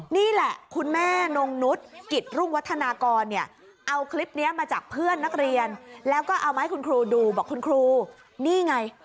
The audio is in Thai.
นี่แหละคุณแม่นงนุษย์กิจรุ่งวัฒนากรเนี่ยเอาคลิปนี้มาจากเพื่อนนักเรียนแล้วก็เอามาให้คุณครูดูบอกคุณครูนี่ไง